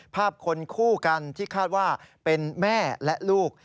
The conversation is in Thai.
ภาพคนคู่กันที่คาดว่าเป็นแม่และลูก